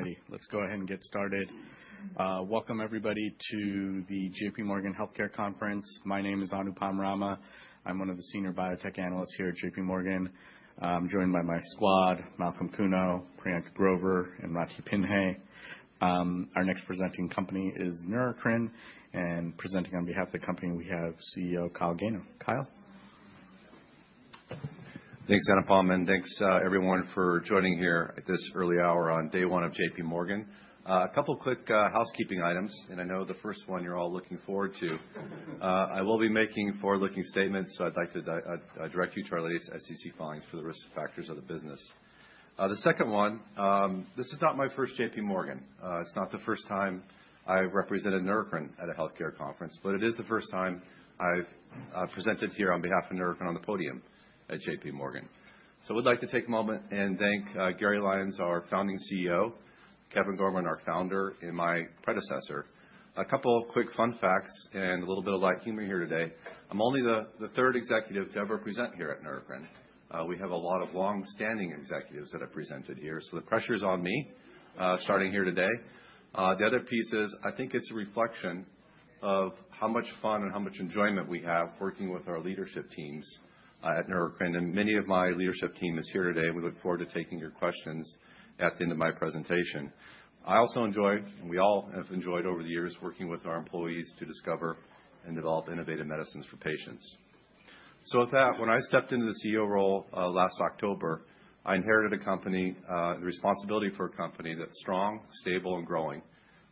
Alrighty, let's go ahead and get started. Welcome, everybody, to the JP Morgan Healthcare Conference. My name is Anupam Rama. I'm one of the senior biotech analysts here at JP Morgan. I'm joined by my squad: Malcolm Kuno, Priyank Grover, and Ratih Pinhey. Our next presenting company is Neurocrine, and presenting on behalf of the company, we have CEO Kyle Gano. Kyle. Thanks, Anupam, and thanks, everyone, for joining here at this early hour on day one of JP Morgan. A couple of quick housekeeping items, and I know the first one you're all looking forward to. I will be making forward-looking statements, so I'd like to direct you to our latest SEC filings for the risk factors of the business. The second one: this is not my first JP Morgan. It's not the first time I've represented Neurocrine at a healthcare conference, but it is the first time I've presented here on behalf of Neurocrine on the podium at JP Morgan. So I would like to take a moment and thank Gary Lyons, our Founding CEO, Kevin Gorman, our founder, and my predecessor. A couple of quick fun facts and a little bit of light humor here today. I'm only the third executive to ever present here at Neurocrine. We have a lot of longstanding executives that have presented here, so the pressure's on me, starting here today. The other piece is, I think it's a reflection of how much fun and how much enjoyment we have working with our leadership teams at Neurocrine. And many of my leadership team are here today, and we look forward to taking your questions at the end of my presentation. I also enjoy, and we all have enjoyed over the years working with our employees to discover and develop innovative medicines for patients. So with that, when I stepped into the CEO role last October, I inherited a company, the responsibility for a company that's strong, stable, and growing.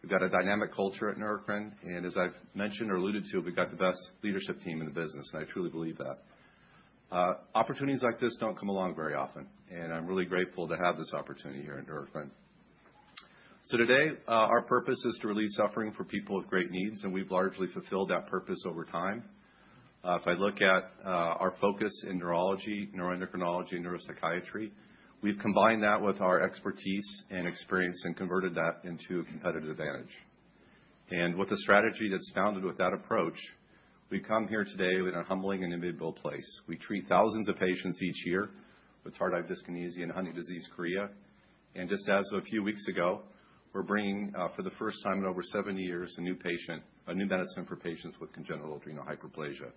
We've got a dynamic culture at Neurocrine, and as I've mentioned or alluded to, we've got the best leadership team in the business, and I truly believe that. Opportunities like this don't come along very often, and I'm really grateful to have this opportunity here at Neurocrine. So today, our purpose is to relieve suffering for people with great needs, and we've largely fulfilled that purpose over time. If I look at our focus in neurology, neuroendocrinology, and neuropsychiatry, we've combined that with our expertise and experience and converted that into a competitive advantage. And with a strategy that's founded with that approach, we come here today in a humbling and enviable place. We treat thousands of patients each year with tardive dyskinesia and Huntington's disease chorea. And just as of a few weeks ago, we're bringing, for the first time in over 70 years, a new patient, a new medicine for patients with congenital adrenal hyperplasia.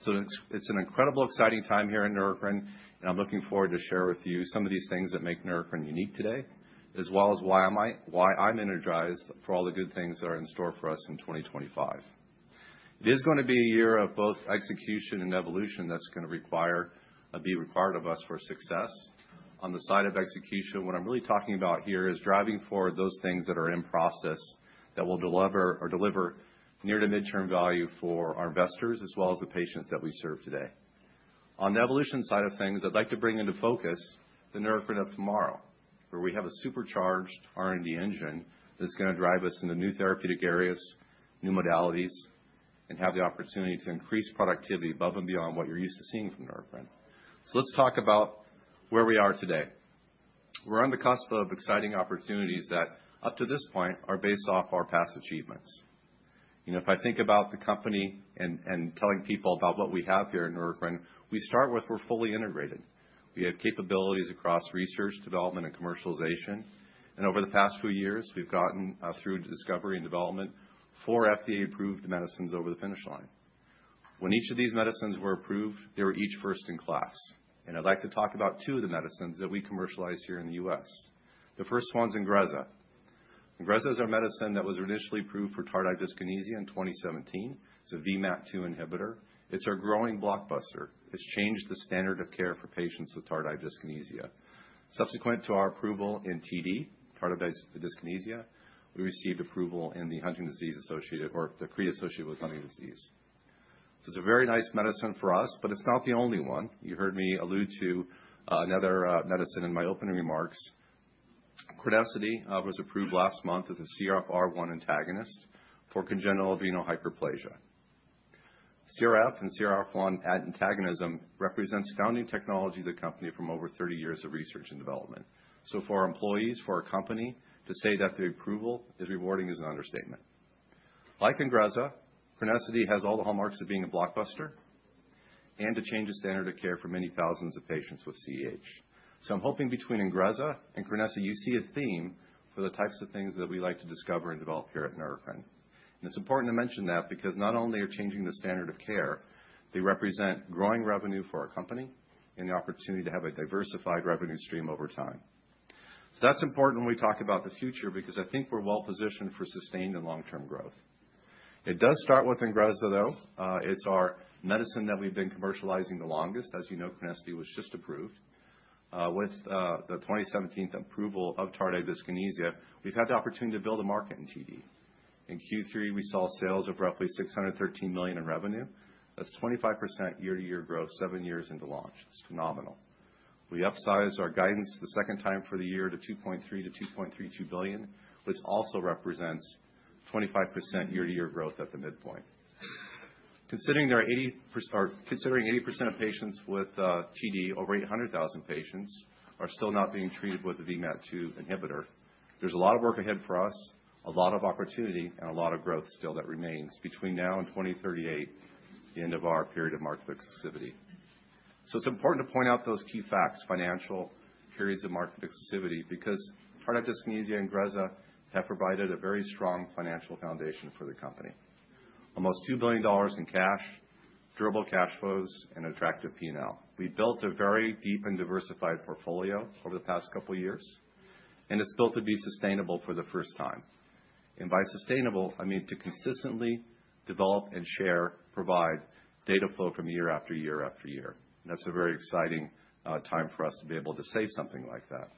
So it's an incredibly exciting time here at Neurocrine, and I'm looking forward to share with you some of these things that make Neurocrine unique today, as well as why I'm energized for all the good things that are in store for us in 2025. It is going to be a year of both execution and evolution that's going to be required of us for success. On the side of execution, what I'm really talking about here is driving forward those things that are in process that will deliver near to mid-term value for our investors, as well as the patients that we serve today. On the evolution side of things, I'd like to bring into focus the Neurocrine of tomorrow, where we have a supercharged R&D engine that's going to drive us into new therapeutic areas, new modalities, and have the opportunity to increase productivity above and beyond what you're used to seeing from Neurocrine. So let's talk about where we are today. We're on the cusp of exciting opportunities that, up to this point, are based off our past achievements. You know, if I think about the company and telling people about what we have here at Neurocrine, we start with, we're fully integrated. We have capabilities across research, development, and commercialization. And over the past few years, we've gotten, through discovery and development, four FDA-approved medicines over the finish line. When each of these medicines were approved, they were each first in class. I'd like to talk about two of the medicines that we commercialize here in the U.S. The first one's Ingrezza. Ingrezza is our medicine that was initially approved for tardive dyskinesia in 2017. It's a VMAT2 inhibitor. It's our growing blockbuster. It's changed the standard of care for patients with tardive dyskinesia. Subsequent to our approval in TD, tardive dyskinesia, we received approval in the Huntington's disease associated, or the chorea associated with Huntington's disease. It's a very nice medicine for us, but it's not the only one. You heard me allude to another medicine in my opening remarks. crinecerfont was approved last month as a CRFR1 antagonist for congenital adrenal hyperplasia. CRF and CRF1 antagonism represents founding technology of the company from over 30 years of research and development. For our employees, for our company, to say that the approval is rewarding is an understatement. Like Ingrezza, crinecerfont has all the hallmarks of being a blockbuster and to change the standard of care for many thousands of patients with CAH. So I'm hoping between Ingrezza and crinecerfont, you see a theme for the types of things that we like to discover and develop here at Neurocrine. And it's important to mention that because not only are they changing the standard of care, they represent growing revenue for our company and the opportunity to have a diversified revenue stream over time. So that's important when we talk about the future because I think we're well-positioned for sustained and long-term growth. It does start with Ingrezza, though. It's our medicine that we've been commercializing the longest. As you know, crinecerfont was just approved. With the 2017 approval of tardive dyskinesia, we've had the opportunity to build a market in TD. In Q3, we saw sales of roughly $613 million in revenue. That's 25% year-to-year growth seven years into launch. It's phenomenal. We upsized our guidance the second time for the year to $2.3-$2.32 billion, which also represents 25% year-to-year growth at the midpoint. Considering 80% of patients with TD, over 800,000 patients, are still not being treated with a VMAT2 inhibitor, there's a lot of work ahead for us, a lot of opportunity, and a lot of growth still that remains between now and 2038, the end of our period of market exclusivity. So it's important to point out those key facts: financial, periods of market exclusivity, because tardive dyskinesia and Ingrezza have provided a very strong financial foundation for the company. Almost $2 billion in cash, durable cash flows, and attractive P&L. We've built a very deep and diversified portfolio over the past couple of years, and it's built to be sustainable for the first time. And by sustainable, I mean to consistently develop and share, provide data flow from year after year after year. That's a very exciting time for us to be able to say something like that.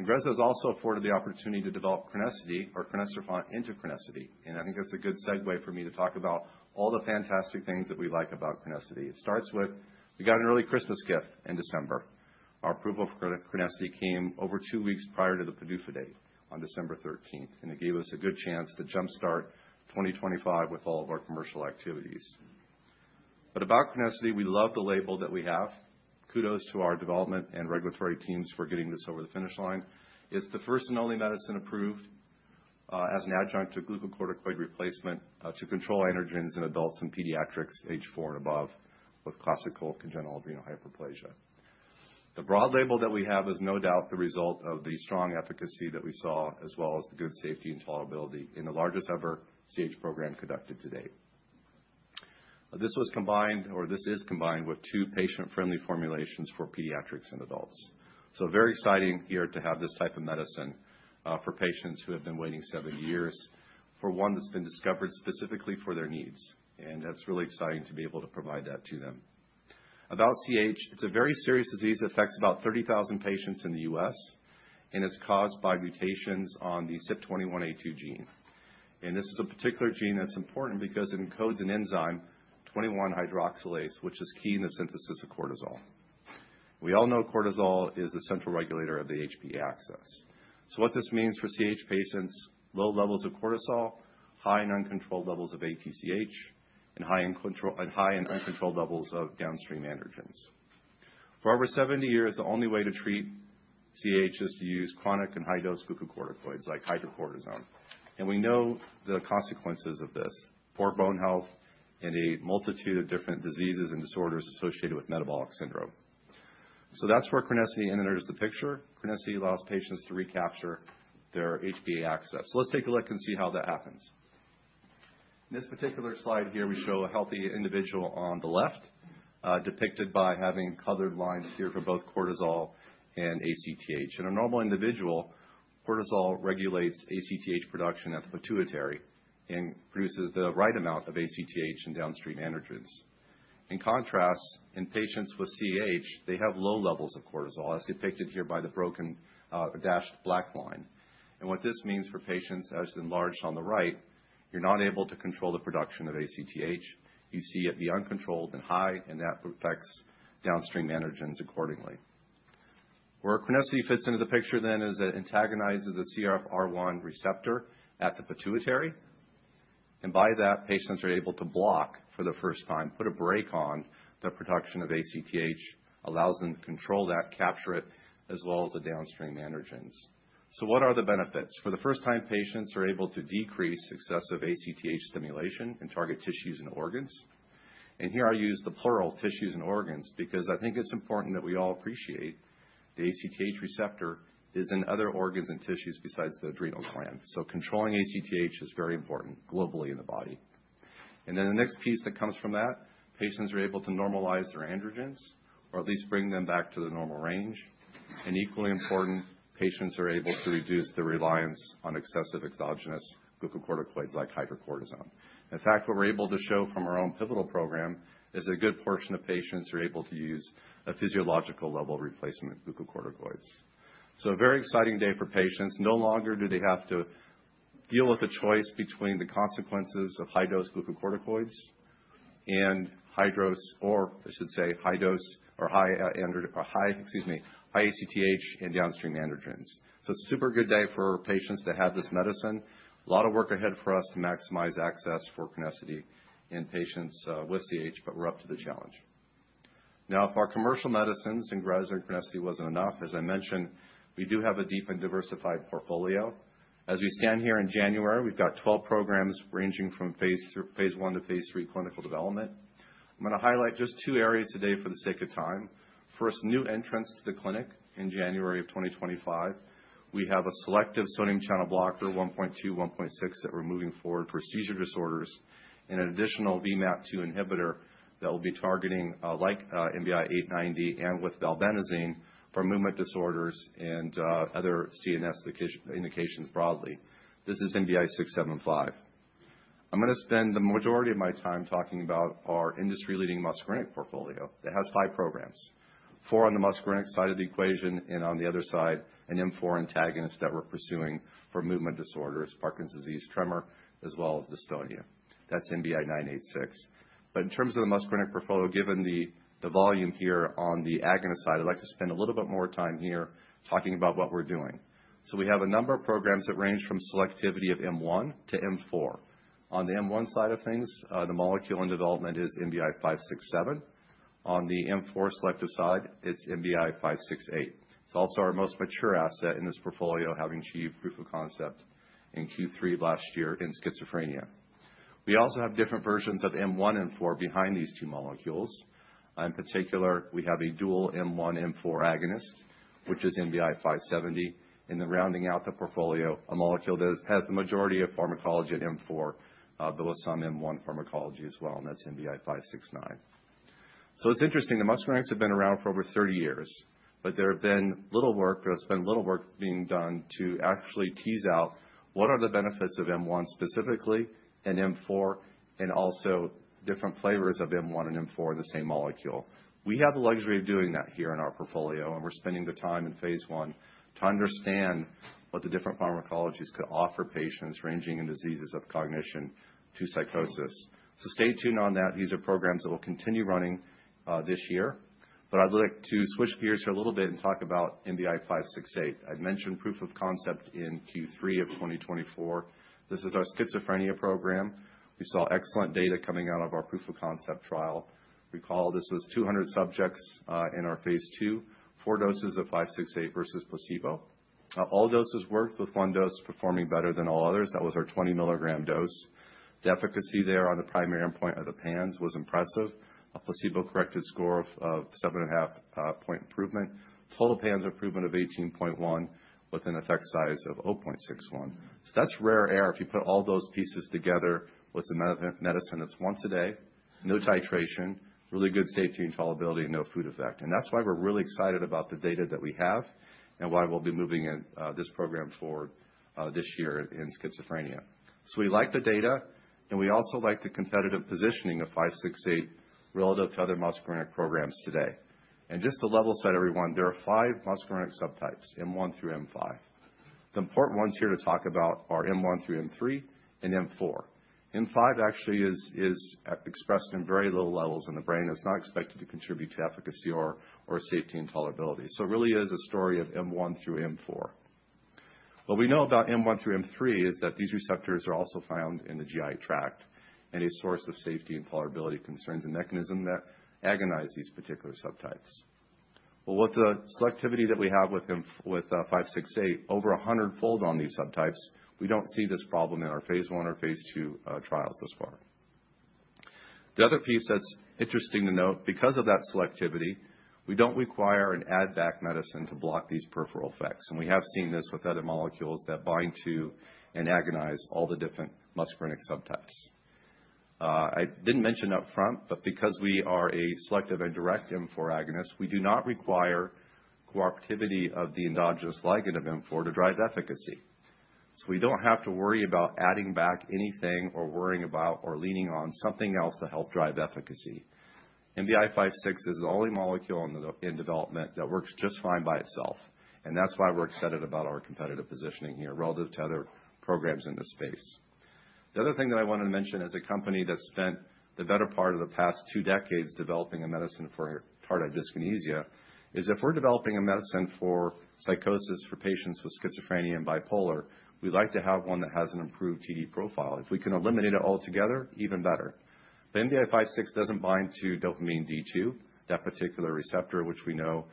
Ingrezza has also afforded the opportunity to develop crinecerfont or crinecerfont into Crenessity. And I think that's a good segue for me to talk about all the fantastic things that we like about crinecerfont. It starts with we got an early Christmas gift in December. Our approval for crinecerfont came over two weeks prior to the PDUFA date on December 13th, and it gave us a good chance to jump-start 2025 with all of our commercial activities. But about crinecerfont, we love the label that we have. Kudos to our development and regulatory teams for getting this over the finish line. It's the first and only medicine approved as an adjunct to glucocorticoid replacement to control androgens in adults in pediatrics age four and above with classical congenital adrenal hyperplasia. The broad label that we have is no doubt the result of the strong efficacy that we saw, as well as the good safety and tolerability in the largest ever CAH program conducted to date. This was combined, or this is combined, with two patient-friendly formulations for pediatrics and adults, so very exciting here to have this type of medicine for patients who have been waiting seven years for one that's been discovered specifically for their needs, and that's really exciting to be able to provide that to them. About CAH, it's a very serious disease that affects about 30,000 patients in the U.S., and it's caused by mutations on the CYP21A2 gene. And this is a particular gene that's important because it encodes an enzyme, 21-hydroxylase, which is key in the synthesis of cortisol. We all know cortisol is the central regulator of the HPA axis. So what this means for CAH patients: low levels of cortisol, high and uncontrolled levels of ACTH, and high and uncontrolled levels of downstream androgens. For over 70 years, the only way to treat CAH is to use chronic and high-dose glucocorticoids like hydrocortisone. And we know the consequences of this: poor bone health and a multitude of different diseases and disorders associated with metabolic syndrome. So that's where crinecerfont enters the picture. Crinecerfont allows patients to recapture their HPA axis. So let's take a look and see how that happens. In this particular slide here, we show a healthy individual on the left, depicted by having colored lines here for both cortisol and ACTH. In a normal individual, cortisol regulates ACTH production at the pituitary and produces the right amount of ACTH and downstream androgens. In contrast, in patients with CAH, they have low levels of cortisol, as depicted here by the broken dashed black line, and what this means for patients, as enlarged on the right, you're not able to control the production of ACTH. You see it be uncontrolled and high, and that affects downstream androgens accordingly. Where crinecerfont fits into the picture then is it antagonizes the CRFR1 receptor at the pituitary. And by that, patients are able to block for the first time, put a brake on the production of ACTH, allows them to control that, capture it, as well as the downstream androgens. So what are the benefits? For the first time, patients are able to decrease excessive ACTH stimulation in target tissues and organs. And here I use the plural, tissues and organs, because I think it's important that we all appreciate the ACTH receptor is in other organs and tissues besides the adrenal gland. So controlling ACTH is very important globally in the body. And then the next piece that comes from that, patients are able to normalize their androgens, or at least bring them back to the normal range. And equally important, patients are able to reduce their reliance on excessive exogenous glucocorticoids like hydrocortisone. In fact, what we're able to show from our own pivotal program is a good portion of patients are able to use a physiological level replacement of glucocorticoids. So a very exciting day for patients. No longer do they have to deal with a choice between the consequences of high-dose glucocorticoids and high ACTH and downstream androgens. So it's a super good day for patients to have this medicine. A lot of work ahead for us to maximize access for crinecerfont in patients with CAH, but we're up to the challenge. Now, if our commercial medicines, Ingrezza and crinecerfont, wasn't enough, as I mentioned, we do have a deep and diversified portfolio. As we stand here in January, we've got 12 programs ranging from phase one to phase three clinical development. I'm going to highlight just two areas today for the sake of time. First, new entrants to the clinic in January of 2025. We have a selective sodium channel blocker 1.2, 1.6 that we're moving forward for seizure disorders, and an additional VMAT2 inhibitor that will be targeting like NBI-1065890 and with valbenazine for movement disorders and other CNS indications broadly. This is NBI-675. I'm going to spend the majority of my time talking about our industry-leading muscarinic portfolio that has five programs. Four on the muscarinic side of the equation and on the other side, an M4 antagonist that we're pursuing for movement disorders, Parkinson's disease, tremor, as well as dystonia. That's NBI-986. But in terms of the muscarinic portfolio, given the volume here on the agonist side, I'd like to spend a little bit more time here talking about what we're doing. So we have a number of programs that range from selectivity of M1 to M4. On the M1 side of things, the molecule in development is NBI-1117567. On the M4 selective side, it's NBI-1117568. It's also our most mature asset in this portfolio, having achieved proof of concept in Q3 of last year in schizophrenia. We also have different versions of M1 and M4 behind these two molecules. In particular, we have a dual M1, M4 agonist, which is NBI-1117570. And then rounding out the portfolio, a molecule that has the majority of pharmacology at M4, but with some M1 pharmacology as well, and that's NBI-1117569. So it's interesting. The muscarinics have been around for over 30 years, but there has been little work, but it's been little work being done to actually tease out what are the benefits of M1 specifically and M4, and also different flavors of M1 and M4 in the same molecule. We have the luxury of doing that here in our portfolio, and we're spending the time in phase one to understand what the different pharmacologies could offer patients ranging in diseases of cognition to psychosis. So stay tuned on that. These are programs that will continue running this year. But I'd like to switch gears here a little bit and talk about NBI-1117568. I'd mentioned proof of concept in Q3 of 2024. This is our schizophrenia program. We saw excellent data coming out of our proof of concept trial. Recall, this was 200 subjects in our phase two, four doses of NBI-1117568 versus placebo. All doses worked, with one dose performing better than all others. That was our 20-milligram dose. The efficacy there on the primary endpoint of the PANSS was impressive. A placebo-corrected score of 7.5-point improvement. Total PANSS improvement of 18.1 with an effect size of 0.61. So that's rare air. If you put all those pieces together, it's a medicine that's once a day, no titration, really good safety and tolerability, and no food effect. And that's why we're really excited about the data that we have and why we'll be moving this program forward this year in schizophrenia. So we like the data, and we also like the competitive positioning of 568 relative to other muscarinic programs today. And just to level set everyone, there are five muscarinic subtypes, M1 through M5. The important ones here to talk about are M1 through M3 and M4. M5 actually is expressed in very low levels in the brain. It's not expected to contribute to efficacy or safety and tolerability. So it really is a story of M1 through M4. What we know about M1 through M3 is that these receptors are also found in the GI tract, and a source of safety and tolerability concerns and mechanism that agonize these particular subtypes. With the selectivity that we have with 568, over 100-fold on these subtypes, we don't see this problem in our phase one or phase two trials thus far. The other piece that's interesting to note, because of that selectivity, we don't require an add-back medicine to block these peripheral effects. We have seen this with other molecules that bind to and agonize all the different muscarinic subtypes. I didn't mention upfront, but because we are a selective and direct M4 agonist, we do not require cooperativity of the endogenous ligand of M4 to drive efficacy. So we don't have to worry about adding back anything or worrying about or leaning on something else to help drive efficacy. NBI-1117568 is the only molecule in development that works just fine by itself. And that's why we're excited about our competitive positioning here relative to other programs in this space. The other thing that I wanted to mention as a company that spent the better part of the past two decades developing a medicine for tardive dyskinesia is if we're developing a medicine for psychosis for patients with schizophrenia and bipolar, we'd like to have one that has an improved TD profile. If we can eliminate it altogether, even better. The NBI-1117568 doesn't bind to dopamine D2, that particular receptor, which we know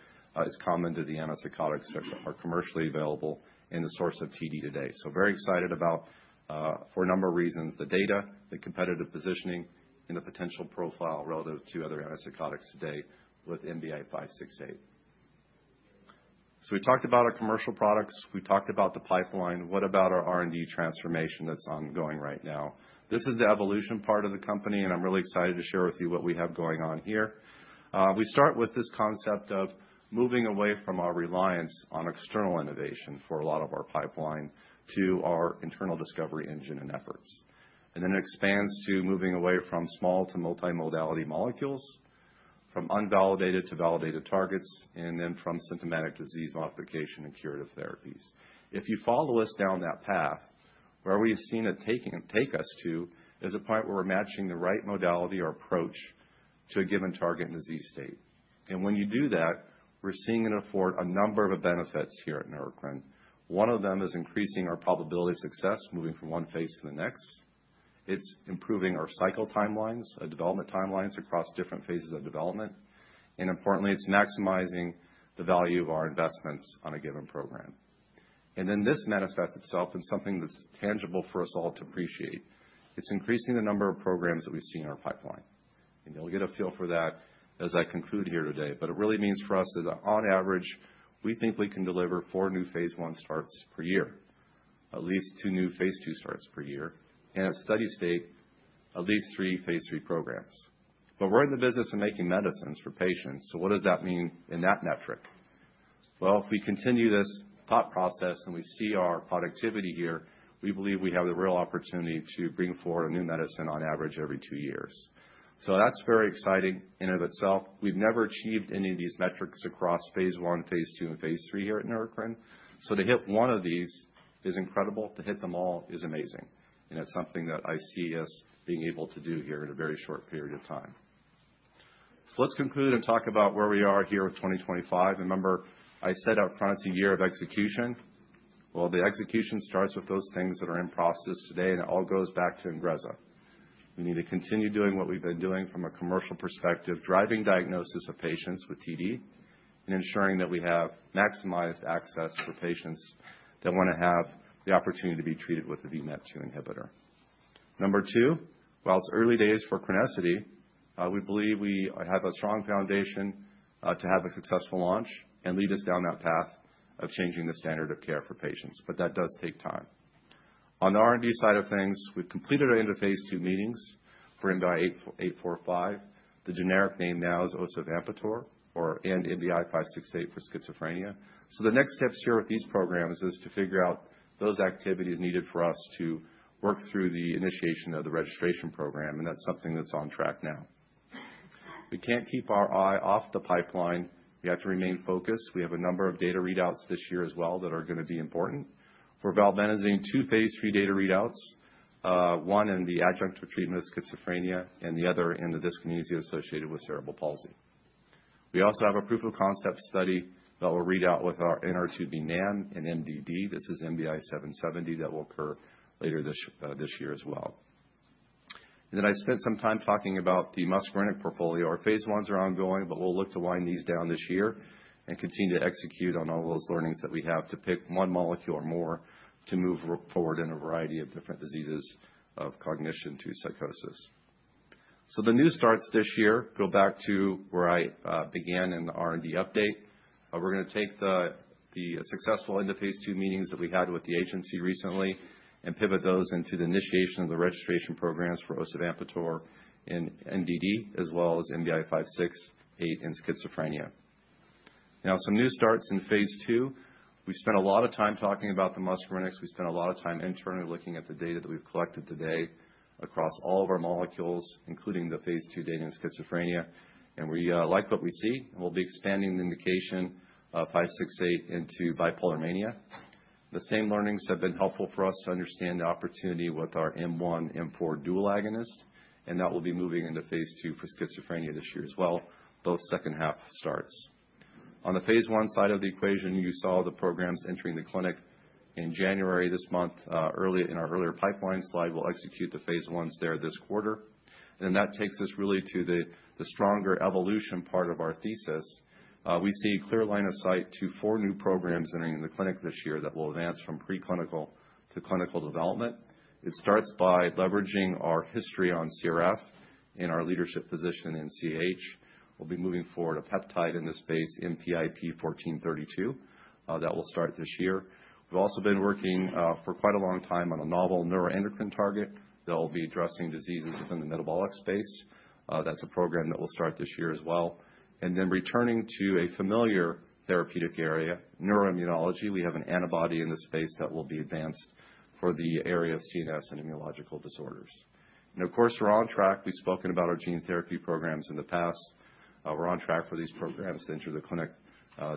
is common to the antipsychotics that are commercially available in the source of TD today. So very excited about, for a number of reasons, the data, the competitive positioning, and the potential profile relative to other antipsychotics today with NBI-1117568. So we talked about our commercial products. We talked about the pipeline. What about our R&D transformation that's ongoing right now? This is the evolution part of the company, and I'm really excited to share with you what we have going on here. We start with this concept of moving away from our reliance on external innovation for a lot of our pipeline to our internal discovery engine and efforts. And then it expands to moving away from small to multimodality molecules, from unvalidated to validated targets, and then from symptomatic disease modification and curative therapies. If you follow us down that path, where we've seen it take us to is a point where we're matching the right modality or approach to a given target and disease state. And when you do that, we're seeing it afford a number of benefits here at Neurocrine. One of them is increasing our probability of success moving from one phase to the next. It's improving our cycle timelines, development timelines across different phases of development. And importantly, it's maximizing the value of our investments on a given program. And then this manifests itself in something that's tangible for us all to appreciate. It's increasing the number of programs that we see in our pipeline. And you'll get a feel for that as I conclude here today. But it really means for us that on average, we think we can deliver four new phase one starts per year, at least two new phase two starts per year, and at steady state, at least three phase three programs. But we're in the business of making medicines for patients. So what does that mean in that metric? Well, if we continue this thought process and we see our productivity here, we believe we have the real opportunity to bring forward a new medicine on average every two years. So that's very exciting in and of itself. We've never achieved any of these metrics across phase one, phase two, and phase three here at Neurocrine. So to hit one of these is incredible. To hit them all is amazing. And it's something that I see us being able to do here in a very short period of time. So let's conclude and talk about where we are here with 2025. Remember, I said upfront it's a year of execution. Well, the execution starts with those things that are in process today, and it all goes back to Ingrezza. We need to continue doing what we've been doing from a commercial perspective, driving diagnosis of patients with TD and ensuring that we have maximized access for patients that want to have the opportunity to be treated with a VMAT2 inhibitor. Number two, while it's early days for Crenessity, we believe we have a strong foundation to have a successful launch and lead us down that path of changing the standard of care for patients. But that does take time. On the R&D side of things, we've completed our end-of-phase two meetings for NBI-1065845. The generic name now is osivampator and NBI-1117568 for schizophrenia. The next steps here with these programs is to figure out those activities needed for us to work through the initiation of the registration program, and that's something that's on track now. We can't keep our eye off the pipeline. We have to remain focused. We have a number of data readouts this year as well that are going to be important. For valbenazine, two phase three data readouts, one in the adjunct of treatment of schizophrenia and the other in the dyskinesia associated with cerebral palsy. We also have a proof of concept study that we'll read out with our NR2B NAM and MDD. This is NBI-770 that will occur later this year as well. And then I spent some time talking about the muscarinic portfolio. Our phase ones are ongoing, but we'll look to wind these down this year and continue to execute on all those learnings that we have to pick one molecule or more to move forward in a variety of different diseases of cognition to psychosis, so the new starts this year go back to where I began in the R&D update. We're going to take the successful end-of-phase two meetings that we had with the agency recently and pivot those into the initiation of the registration programs for osivampator and MDD, as well as NBI-1117568 and schizophrenia. Now, some new starts in phase two. We spent a lot of time talking about the muscarinics. We spent a lot of time internally looking at the data that we've collected today across all of our molecules, including the phase two data in schizophrenia. We like what we see, and we'll be expanding the indication of 568 into bipolar mania. The same learnings have been helpful for us to understand the opportunity with our M1, M4 dual agonist, and that will be moving into phase two for schizophrenia this year as well, both second half starts. On the phase one side of the equation, you saw the programs entering the clinic in January this month. In our earlier pipeline slide, we'll execute the phase ones there this quarter. Then that takes us really to the stronger evolution part of our thesis. We see a clear line of sight to four new programs entering the clinic this year that will advance from preclinical to clinical development. It starts by leveraging our history on CRF in our leadership position in CAH. We'll be moving forward a peptide in this space, NBI-1432, that will start this year. We've also been working for quite a long time on a novel neuroendocrine target that will be addressing diseases within the metabolic space. That's a program that will start this year as well, and then returning to a familiar therapeutic area, neuroimmunology, we have an antibody in this space that will be advanced for the area of CNS and immunological disorders, and of course, we're on track. We've spoken about our gene therapy programs in the past. We're on track for these programs to enter the clinic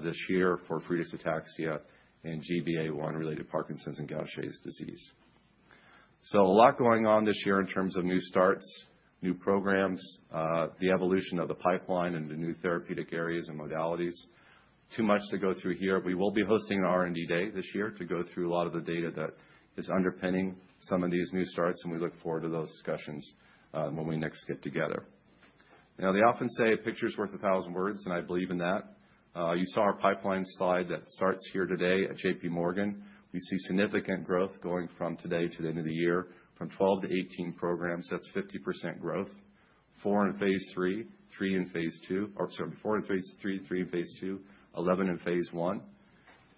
this year for Friedreich's ataxia and GBA1-related Parkinson's and Gaucher's disease, so a lot going on this year in terms of new starts, new programs, the evolution of the pipeline and the new therapeutic areas and modalities. Too much to go through here. We will be hosting an R&D day this year to go through a lot of the data that is underpinning some of these new starts, and we look forward to those discussions when we next get together. Now, they often say a picture's worth a thousand words, and I believe in that. You saw our pipeline slide that starts here today at JP Morgan. We see significant growth going from today to the end of the year, from 12 to 18 programs. That's 50% growth. Four in phase three, three in phase two, or sorry, four in phase three, three in phase two, 11 in phase one.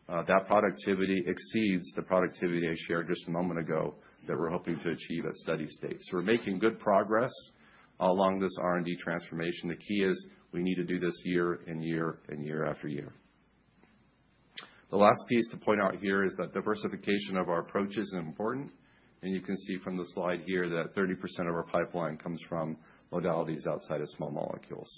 That productivity exceeds the productivity I shared just a moment ago that we're hoping to achieve at study state. So we're making good progress along this R&D transformation. The key is we need to do this year in year and year after year. The last piece to point out here is that diversification of our approach is important, and you can see from the slide here that 30% of our pipeline comes from modalities outside of small molecules,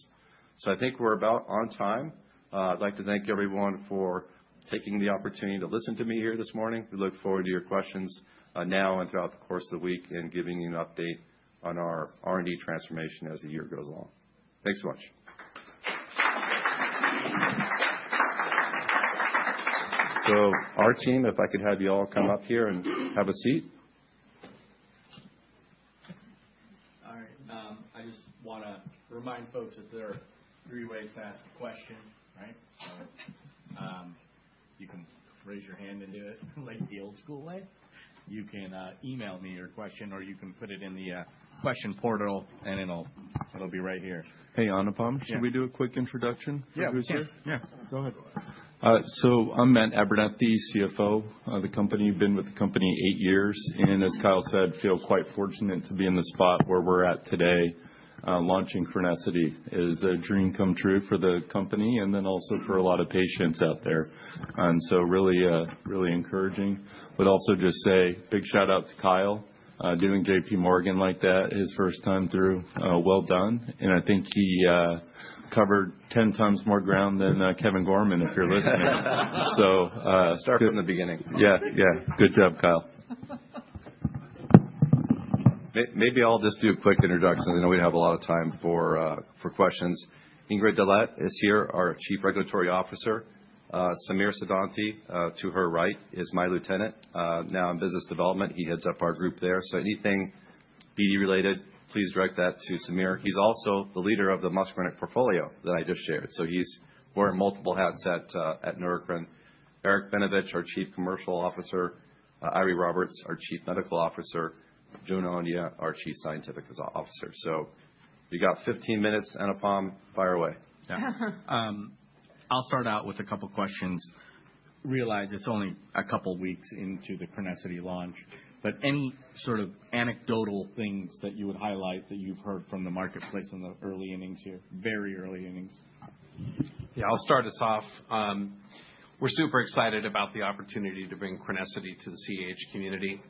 so I think we're about on time. I'd like to thank everyone for taking the opportunity to listen to me here this morning. We look forward to your questions now and throughout the course of t he week and giving you an update on our R&D transformation as the year goes along. Thanks so much so our team, if I could have you all come up here and have a seat. All right. I just want to remind folks that there are three ways to ask a question, right? So you can raise your hand and do it like the old school way. You can email me your question, or you can put it in the question portal, and it'll be right here. Hey, Anupam. Should we do a quick introduction? Yeah. Who's here? Yeah. Go ahead. So I'm Matt Abernethy, CFO of the company. I've been with the company eight years. And as Kyle said, I feel quite fortunate to be in the spot where we're at today, launching Crenessity. It is a dream come true for the company and then also for a lot of patients out there. And so really encouraging. Would also just say big shout out to Kyle doing JP Morgan like that his first time through. Well done. And I think he covered 10 times more ground than Kevin Gorman if you're listening. Start from the beginning. Yeah. Yeah. Good job, Kyle. Maybe I'll just do a quick introduction. I know we have a lot of time for questions. Ingrid Delaet is here, our Chief Regulatory Officer. Samir Siddhanti, to her right, is my lieutenant. Now in business development, he heads up our group there. So anything BD-related, please direct that to Samir. He's also the leader of the muscarinic portfolio that I just shared. So he's wearing multiple hats at Neurocrine. Eric Benevich, our Chief Commercial Officer. Eiry Roberts, our Chief Medical Officer. Jude Onyia, our Chief Scientific Officer. So you got 15 minutes, Anupam. Fire away. Yeah. I'll start out with a couple of questions. Realize it's only a couple of weeks into the CRENESSITY launch. But any sort of anecdotal things that you would highlight that you've heard from the marketplace in the early innings here, very early innings? Yeah. I'll start us off. We're super excited about the opportunity to bring Crenessity to the CAH community.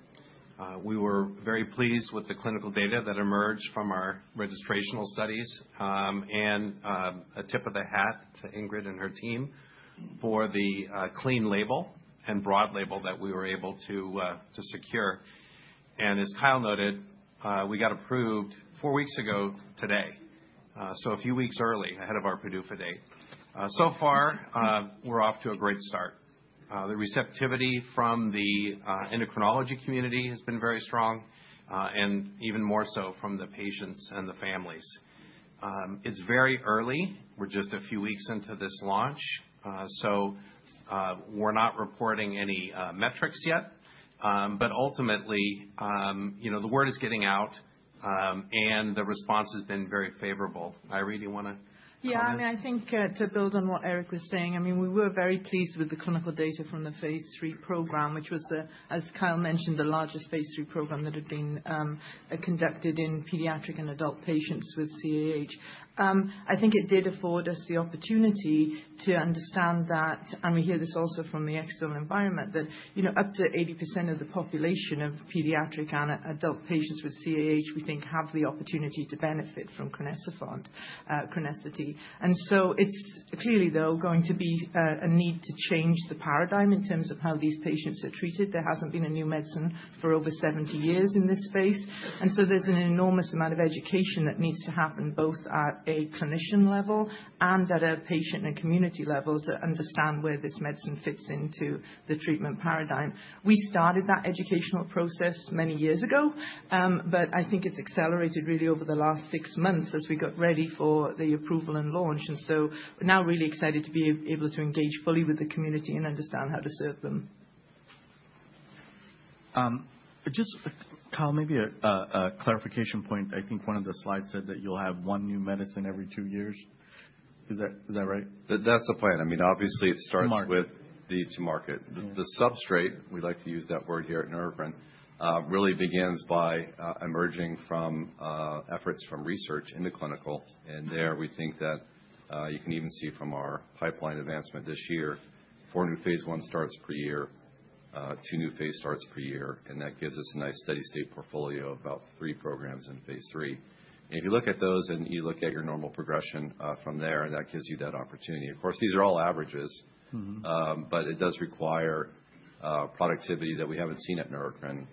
We were very pleased with the clinical data that emerged from our registrational studies. And a tip of the hat to Ingrid and her team for the clean label and broad label that we were able to secure. And as Kyle noted, we got approved four weeks ago today, so a few weeks early ahead of our PDUFA date. So far, we're off to a great start. The receptivity from the endocrinology community has been very strong, and even more so from the patients and the families. It's very early. We're just a few weeks into this launch. So we're not reporting any metrics yet. But ultimately, the word is getting out, and the response has been very favorable. Eiry, do you want to? Yeah. I mean, I think to build on what Eric was saying, I mean, we were very pleased with the clinical data from the phase three program, which was, as Kyle mentioned, the largest phase three program that had been conducted in pediatric and adult patients with CAH. I think it did afford us the opportunity to understand that, and we hear this also from the external environment, that up to 80% of the population of pediatric and adult patients with CAH, we think, have the opportunity to benefit from crinecerfont. And so it's clearly, though, going to be a need to change the paradigm in terms of how these patients are treated. There hasn't been a new medicine for over 70 years in this space. And so there's an enormous amount of education that needs to happen both at a clinician level and at a patient and community level to understand where this medicine fits into the treatment paradigm. We started that educational process many years ago, but I think it's accelerated really over the last six months as we got ready for the approval and launch. And so we're now really excited to be able to engage fully with the community and understand how to serve them. Just, Kyle, maybe a clarification point. I think one of the slides said that you'll have one new medicine every two years. Is that right? That's the plan. I mean, obviously, it starts with the go-to-market. The substrate, we like to use that word here at Neurocrine, really begins by emerging from efforts from research into clinical, and there we think that you can even see from our pipeline advancement this year, four new phase one starts per year, two new phase starts per year, and that gives us a nice steady-state portfolio of about three programs in phase three, and if you look at those and you look at your normal progression from there, that gives you that opportunity. Of course, these are all averages, but it does require productivity that we haven't seen at Neurocrine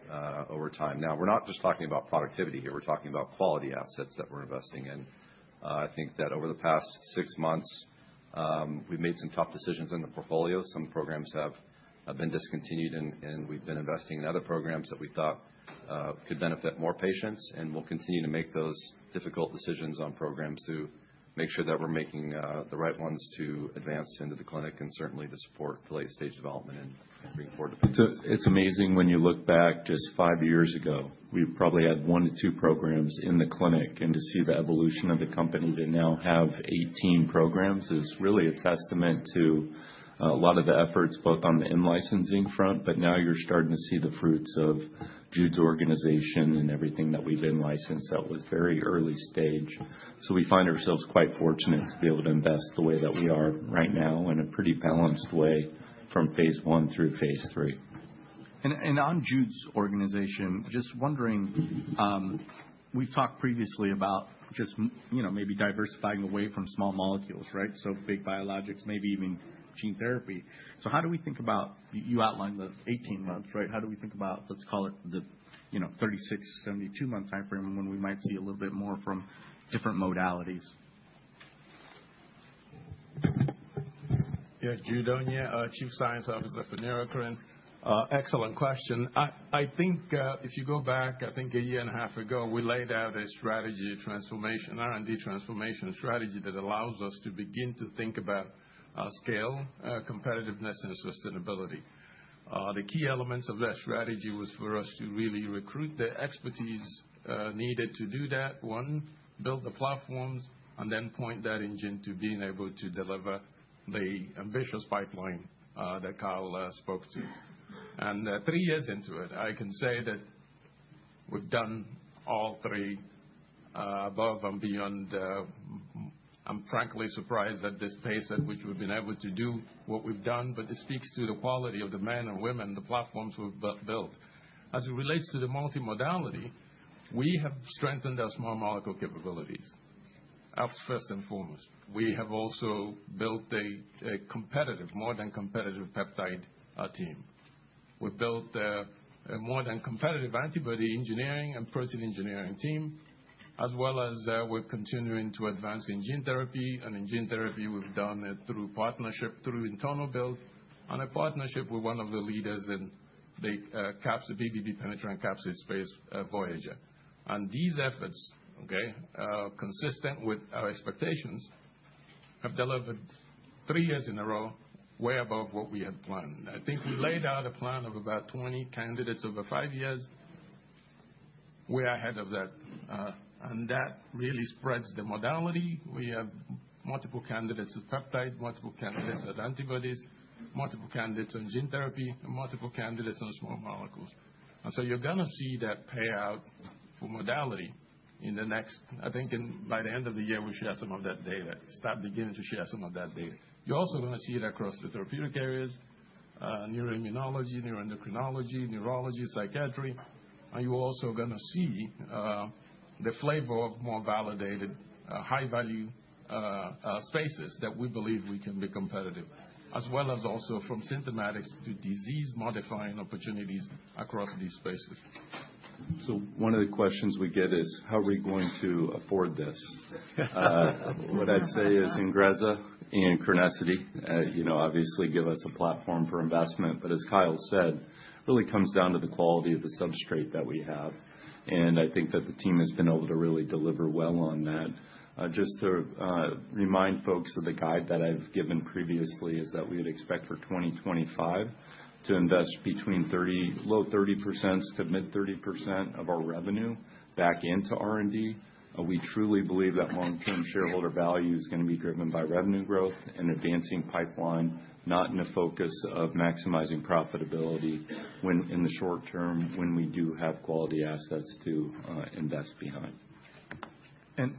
over time. Now, we're not just talking about productivity here. We're talking about quality assets that we're investing in. I think that over the past six months, we've made some tough decisions in the portfolio. Some programs have been discontinued, and we've been investing in other programs that we thought could benefit more patients, and we'll continue to make those difficult decisions on programs to make sure that we're making the right ones to advance into the clinic and certainly to support the late-stage development and bring forward the patients. It's amazing when you look back just five years ago. We probably had one to two programs in the clinic, and to see the evolution of the company to now have 18 programs is really a testament to a lot of the efforts both on the in-licensing front, but now you're starting to see the fruits of Jude's organization and everything that we've in-licensed that was very early stage, so we find ourselves quite fortunate to be able to invest the way that we are right now in a pretty balanced way from phase one through phase three. On Jude's organization, just wondering, we've talked previously about just maybe diversifying away from small molecules, right? Big biologics, maybe even gene therapy. How do we think about you outlined the 18 months, right? How do we think about, let's call it the 36, 72-month timeframe when we might see a little bit more from different modalities? Yeah. Jude Onyia, Chief Scientific Officer for Neurocrine. Excellent question. I think if you go back, I think a year and a half ago, we laid out a strategy of transformation, R&D transformation strategy that allows us to begin to think about scale, competitiveness, and sustainability. The key elements of that strategy was for us to really recruit the expertise needed to do that, one, build the platforms, and then point that engine to being able to deliver the ambitious pipeline that Kyle spoke to. And three years into it, I can say that we've done all three above and beyond. I'm frankly surprised at this pace at which we've been able to do what we've done, but it speaks to the quality of the men and women, the platforms we've built. As it relates to the multi-modality, we have strengthened our small molecule capabilities. That's first and foremost. We have also built a competitive, more than competitive peptide team. We've built a more than competitive antibody engineering and protein engineering team, as well as we're continuing to advance in gene therapy, and in gene therapy, we've done it through partnership, through internal build, and a partnership with one of the leaders in the BBB penetrant capsid space, Voyager, and these efforts, consistent with our expectations, have delivered three years in a row way above what we had planned. I think we laid out a plan of about 20 candidates over five years. We're ahead of that, and that really spreads the modality. We have multiple candidates of peptide, multiple candidates of antibodies, multiple candidates on gene therapy, and multiple candidates on small molecules. And so you're going to see that payout for modality in the next. I think by the end of the year, we share some of that data, start beginning to share some of that data. You're also going to see it across the therapeutic areas, neuroimmunology, neuroendocrinology, neurology, psychiatry. And you're also going to see the flavor of more validated high-value spaces that we believe we can be competitive, as well as also from symptomatics to disease-modifying opportunities across these spaces. One of the questions we get is, how are we going to afford this? What I'd say is Ingrezza and CRENESSITY obviously give us a platform for investment. But as Kyle said, it really comes down to the quality of the substrate that we have. And I think that the team has been able to really deliver well on that. Just to remind folks of the guide that I've given previously is that we would expect for 2025 to invest between low 30% to mid-30% of our revenue back into R&D. We truly believe that long-term shareholder value is going to be driven by revenue growth and advancing pipeline, not in the focus of maximizing profitability in the short term when we do have quality assets to invest behind. And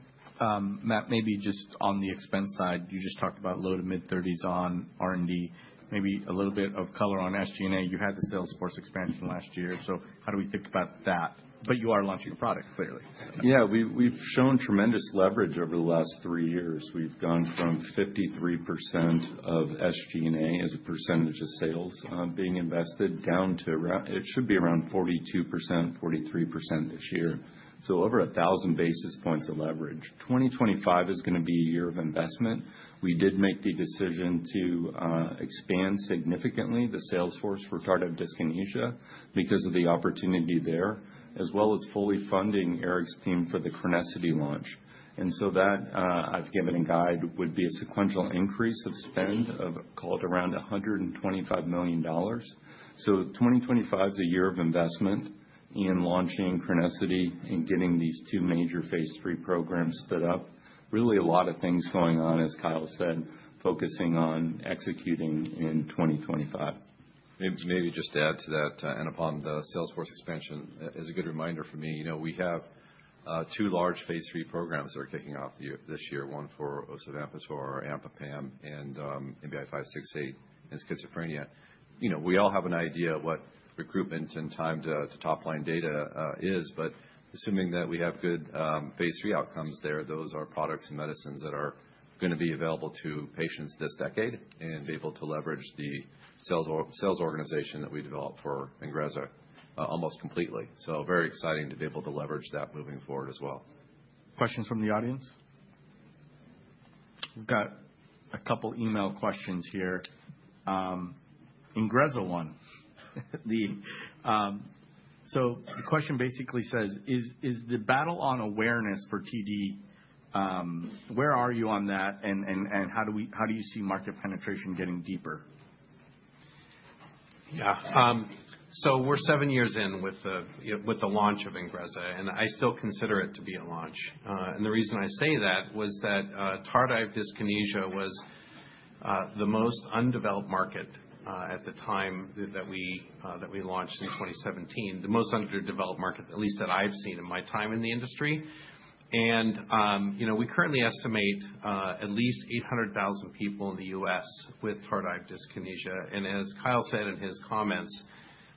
Matt, maybe just on the expense side, you just talked about low to mid-30s on R&D. Maybe a little bit of color on SG&A. You had the sales force expansion last year. So how do we think about that? But you are launching a product, clearly. Yeah. We've shown tremendous leverage over the last three years. We've gone from 53% of SG&A as a percentage of sales being invested down to it should be around 42%-43% this year. So over 1,000 basis points of leverage. 2025 is going to be a year of investment. We did make the decision to expand significantly the sales force for tardive dyskinesia because of the opportunity there, as well as fully funding Eric's team for the CRENESSITY launch. And so that, I've given a guide, would be a sequential increase of spend of, call it around $125 million. So 2025 is a year of investment in launching Crenessity and getting these two major phase 3 programs stood up. Really a lot of things going on, as Kyle said, focusing on executing in 2025. Maybe just to add to that, Anupam, the sales force expansion is a good reminder for me. We have two large phase three programs that are kicking off this year, one for osivampator or AMPA PAM and NBI-1117568 and schizophrenia. We all have an idea of what recruitment and time to topline data is, but assuming that we have good phase three outcomes there, those are products and medicines that are going to be available to patients this decade and be able to leverage the sales organization that we developed for Ingrezza almost completely, so very exciting to be able to leverage that moving forward as well. Questions from the audience? We've got a couple of email questions here. Ingrezza one. So the question basically says, is the battle on awareness for TD, where are you on that? And how do you see market penetration getting deeper? Yeah. So we're seven years in with the launch of Ingrezza. And I still consider it to be a launch. And the reason I say that was that tardive dyskinesia was the most undeveloped market at the time that we launched in 2017, the most underdeveloped market, at least that I've seen in my time in the industry. And we currently estimate at least 800,000 people in the U.S. with tardive dyskinesia. And as Kyle said in his comments,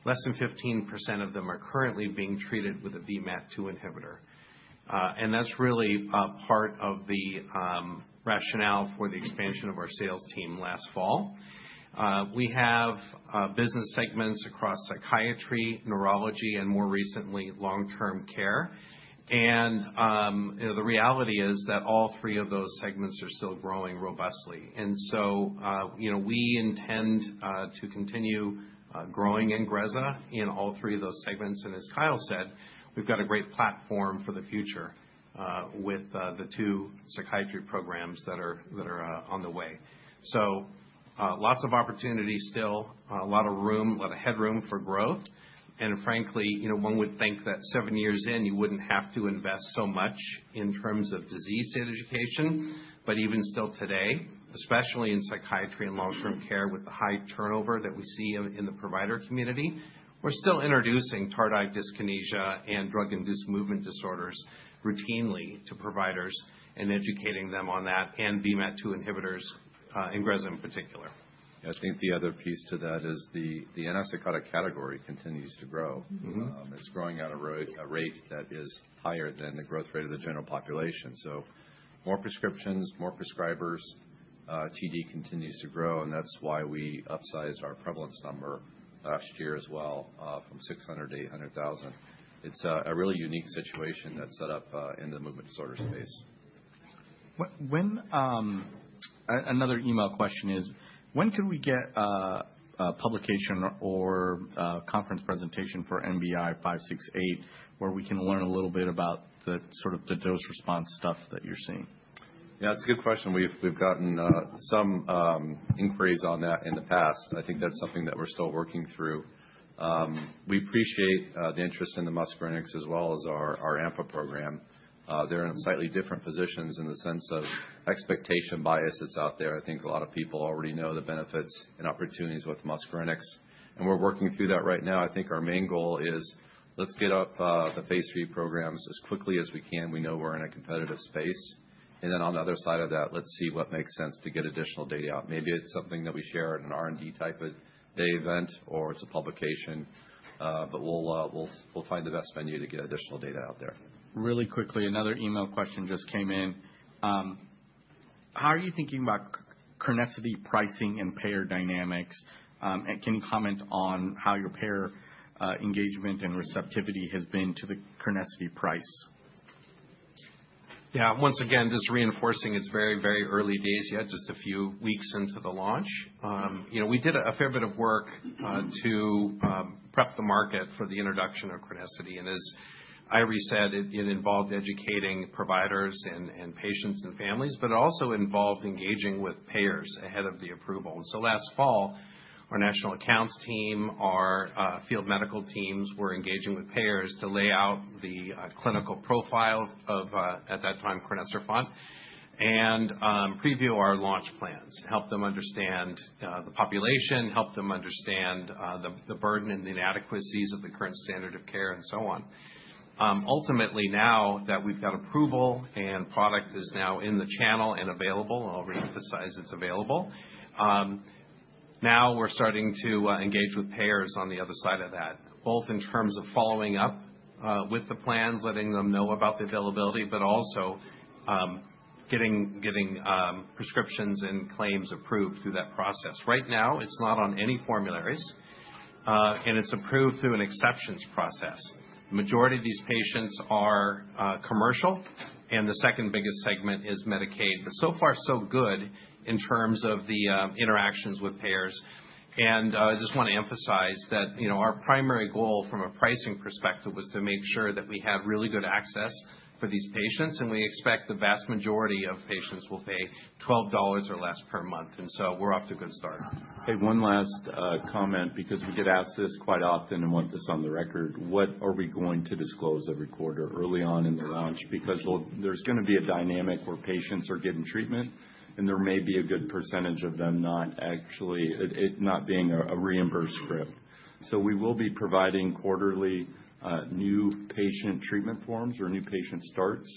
less than 15% of them are currently being treated with a VMAT2 inhibitor. And that's really part of the rationale for the expansion of our sales team last fall. We have business segments across psychiatry, neurology, and more recently, long-term care. And the reality is that all three of those segments are still growing robustly. And so we intend to continue growing Ingrezza in all three of those segments. And as Kyle said, we've got a great platform for the future with the two psychiatry programs that are on the way. So lots of opportunity still, a lot of room, a lot of headroom for growth. And frankly, one would think that seven years in, you wouldn't have to invest so much in terms of disease education. But even still today, especially in psychiatry and long-term care with the high turnover that we see in the provider community, we're still introducing tardive dyskinesia and drug-induced movement disorders routinely to providers and educating them on that and VMAT2 inhibitors, Ingrezza in particular. I think the other piece to that is the antipsychotic category continues to grow. It's growing at a rate that is higher than the growth rate of the general population. So more prescriptions, more prescribers, TD continues to grow. And that's why we upsized our prevalence number last year as well from 600 to 800,000. It's a really unique situation that's set up in the movement disorder space. Another email question is, when can we get a publication or conference presentation for NBI-1117568 where we can learn a little bit about the sort of the dose response stuff that you're seeing? Yeah. That's a good question. We've gotten some inquiries on that in the past. I think that's something that we're still working through. We appreciate the interest in the muscarinics as well as our AMPA program. They're in slightly different positions in the sense of expectation bias that's out there. I think a lot of people already know the benefits and opportunities with muscarinics. And we're working through that right now. I think our main goal is let's get up the phase three programs as quickly as we can. We know we're in a competitive space. And then on the other side of that, let's see what makes sense to get additional data out. Maybe it's something that we share at an R&D type of day event or it's a publication. But we'll find the best venue to get additional data out there. Really quickly, another email question just came in. How are you thinking about Crenessity pricing and payer dynamics? And can you comment on how your payer engagement and receptivity has been to the Crenessity price? Yeah. Once again, just reinforcing it's very, very early days yet, just a few weeks into the launch. We did a fair bit of work to prep the market for the introduction of Crenessity. And as Eiry said, it involved educating providers and patients and families, but it also involved engaging with payers ahead of the approval. And so last fall, our national accounts team, our field medical teams were engaging with payers to lay out the clinical profile of, at that time, crinecerfont and preview our launch plans, help them understand the population, help them understand the burden and the inadequacies of the current standard of care and so on. Ultimately, now that we've got approval and product is now in the channel and available, I'll reemphasize it's available, now we're starting to engage with payers on the other side of that, both in terms of following up with the plans, letting them know about the availability, but also getting prescriptions and claims approved through that process. Right now, it's not on any formularies, and it's approved through an exceptions process. The majority of these patients are commercial, and the second biggest segment is Medicaid. But so far, so good in terms of the interactions with payers. And I just want to emphasize that our primary goal from a pricing perspective was to make sure that we have really good access for these patients. And we expect the vast majority of patients will pay $12 or less per month. And so we're off to a good start. I'd say one last comment because we get asked this quite often and want this on the record. What are we going to disclose every quarter early on in the launch? Because there's going to be a dynamic where patients are getting treatment, and there may be a good percentage of them not actually it not being a reimbursed script. So we will be providing quarterly new patient treatment forms or new patient starts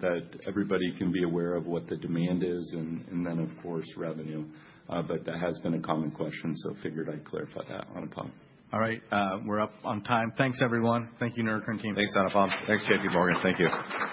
that everybody can be aware of what the demand is and then, of course, revenue. But that has been a common question, so figured I'd clarify that, Anupam. All right. We're up on time. Thanks, everyone. Thank you, Neurocrine team. Thanks, Anupam. Thanks, JP Morgan. Thank you.